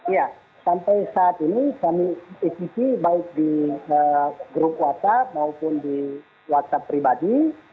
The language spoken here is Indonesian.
ya sampai saat ini kami ikuti baik di grup whatsapp maupun di whatsapp pribadi